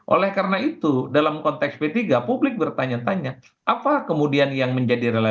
oleh karena itu dalam konteks p tiga publik bertanya tanya apa kemudian yang menjadi relawan